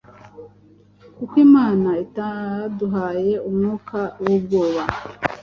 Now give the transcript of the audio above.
Kuko Imana itaduhaye Umwuka w’ubwoba